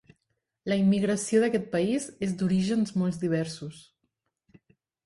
La immigració d'aquest país és d'orígens molt diversos.